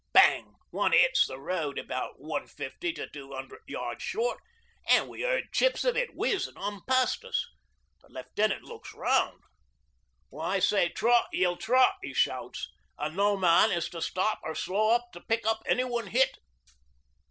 '"Bang!" one hits the road about one fifty to two hundred yards short an' we heard chips o' it whizz an' hum past us. The Left'nant looks, round. "When I say 'trot' you'll trot," he shouts, "an' no man is to stop or slow up to pick up anyone hit."